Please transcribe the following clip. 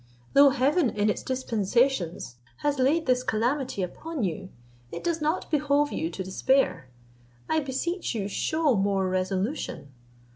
Though heaven in its dispensations has laid this calamity upon you, it does not behove you to despair. I beseech you shew more resolution.